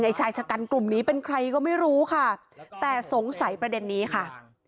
ชายชะกันกลุ่มนี้เป็นใครก็ไม่รู้ค่ะแต่สงสัยประเด็นนี้ค่ะ